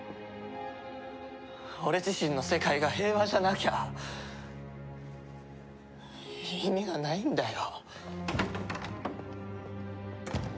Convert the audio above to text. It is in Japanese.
俺自身の世界が平和じゃなきゃ意味がないんだよ。